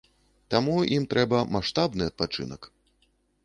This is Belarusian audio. Таму ім трэба маштабны адпачынак.